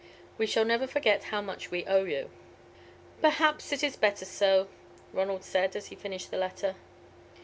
We shall never forget how much we owe you." "Perhaps it is better so," Ronald said, as he finished the letter.